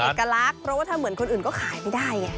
เอกลักษณ์เพราะว่าถ้าเหมือนคนอื่นก็ขายไม่ได้ไง